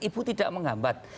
ibu tidak mengambat